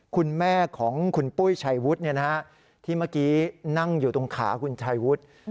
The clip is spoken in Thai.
คุณแม่ของคุณปุ้ยชัยวุฒิที่เมื่อกี้นั่งอยู่ตรงขาคุณชัยวุฒิ